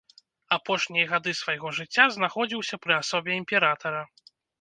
Апошнія гады свайго жыцця знаходзіўся пры асобе імператара.